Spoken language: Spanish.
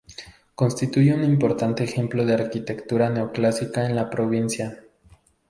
Constituye un importante ejemplo de arquitectura neoclásica en la provincia.